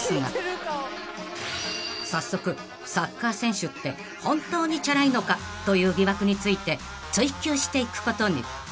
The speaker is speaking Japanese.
［早速サッカー選手って本当にチャラいのか！？という疑惑について追及していくことに］